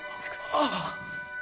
あっ。